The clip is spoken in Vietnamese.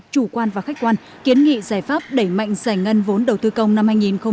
chủ quan và khách quan kiến nghị giải pháp đẩy mạnh giải ngân vốn đầu tư công năm hai nghìn hai mươi